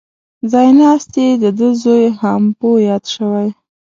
ځای ناست یې دده زوی هامپو یاد شوی.